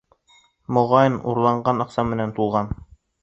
Моғайын, урланған аҡса менән тулған!